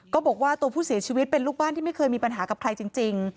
ก็บอกว่าตัวผู้เสียชีวิตเป็นลูกบ้านที่ไม่เคยมีปัญหากับใครจริง